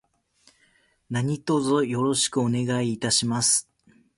何卒よろしくお願いいたします。